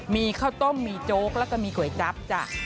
มีข้าวต้มมีโจ๊กแล้วก็มีก๋วยจั๊บจ้ะ